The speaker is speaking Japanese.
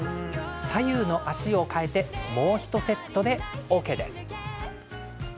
左右の足をかえてもう１セットでＯＫ。